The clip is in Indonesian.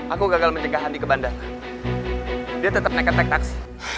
aku gagal mencegah andi ke bandar dia tetap naik taktas